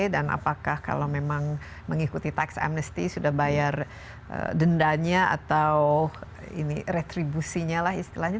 dan apakah kalau memang mengikuti tax amnesty sudah bayar dendanya atau ini retribusinya lah istilahnya